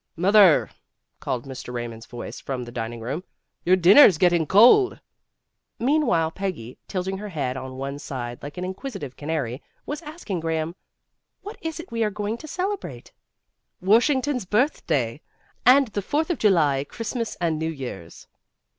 "Mother," called Mr. Eaymond 's voice from the dining room, "your dinner's getting cold." Meanwhile Peggy, tilting her head on one side like an inquisitive canary, was asking Graham, "What is it we are going to cele brate?" "Washington's birthday and the Fourth of July, Christmas and New Year's."